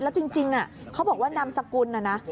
แล้วจริงเขาบอกว่านามสกุลน่ะนะ